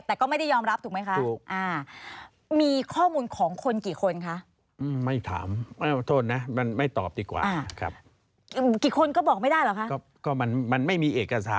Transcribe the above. แต่ก็ไม่ได้ยอมรับถูกไหมคะ